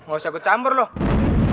oh saya kecamur loh